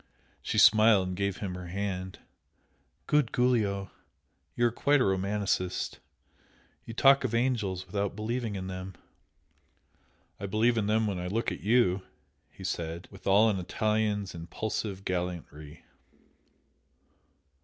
She smiled and gave him her hand. "Good Giulio! you are quite a romancist! you talk of angels without believing in them!" "I believe in them when I look at YOU!" he said, with all an Italian's impulsive gallantry.